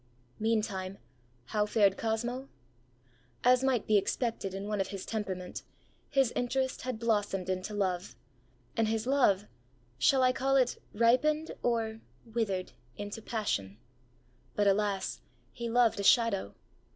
Meantime, how fared Cosmo? As might be expected in one of his temperament, his interest had blossomed into love, and his loveãshall I call it ripened, orã_withered_ into passion. But, alas! he loved a shadow.